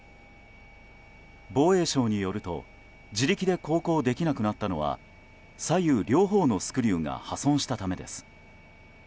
防衛省によると自力で航行できなくなったのは左右両方のスクリューが破損したためです。